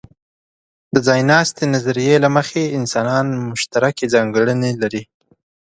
د ځایناستې نظریې له مخې، انسانان مشترکې ځانګړنې لري.